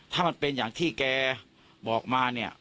ถ้ามันเป็นอย่างที่แกบอกมาเนี่ย